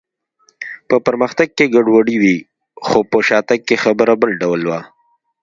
په پرمختګ کې ګډوډي وي، خو په شاتګ کې خبره بل ډول وه.